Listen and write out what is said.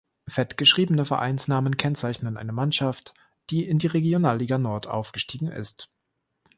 Fett geschriebene Vereinsnamen kennzeichnen eine Mannschaft, die in die Regionalliga Nord aufgestiegen ist.